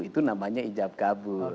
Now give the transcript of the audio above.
itu namanya ijab kabul